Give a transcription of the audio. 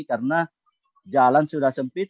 karena jalan sudah sempit